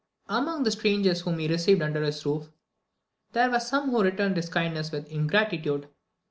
Among the strangers whom he received under his roof, there were some who returned his kindness with ingratitude.